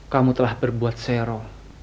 kamu telah berbuat sero